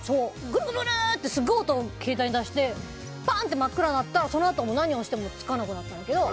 ぐるぐるってすごい音、携帯が出してパーンって真っ暗になったら何を押してもつかなくなったけど